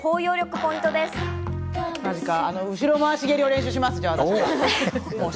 後ろ回し蹴りを練習します。